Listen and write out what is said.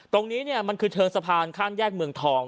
ตรงนี้มันคือเทิงสะพานข้ามแยกเมืองทอง